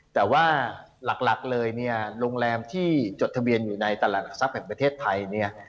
แต่ว่าหลักเลยเนี่ยโรงแรมที่จดทะเบียนอยู่ในตลาดหลักทรัพย์แห่งประเทศไทยเนี่ย